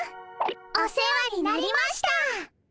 お世話になりました。